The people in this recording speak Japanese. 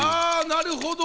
なるほど。